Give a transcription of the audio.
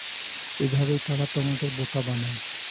এভাবেই তারা তোমাদের বোকা বানায়।